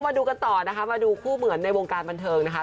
มาดูกันต่อนะคะมาดูคู่เหมือนในวงการบันเทิงนะคะ